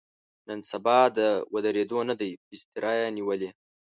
نن سبا د ودرېدو نه دی، بستره یې نیولې.